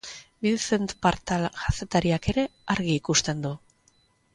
Vicent Partal kazetariak ere argi ikusten du.